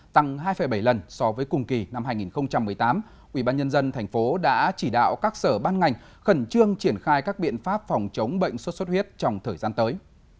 tăng hai bảy lần so với cùng kỳ năm hai nghìn một mươi tám ubnd tp đã chỉ đạo các sở ban ngành khẩn trương triển khai các biện pháp phòng chống bệnh xuất xuất huyết trong thời gian tới